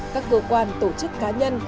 các cơ quan tổ chức cá nhân